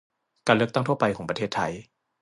การเลือกตั้งทั่วไปของประเทศไทย